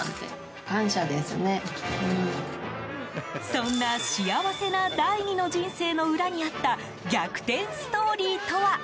そんな幸せな第２の人生の裏にあった逆転ストーリーとは？